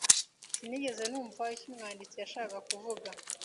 Sinigeze numva icyo umwanditsi yashakaga kuvuga.